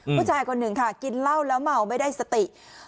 ผู้ชายคนหนึ่งค่ะกินเหล้าแล้วเมาไม่ได้สติ